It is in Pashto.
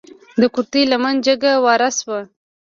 د کورتۍ لمنه جګه واره شوه.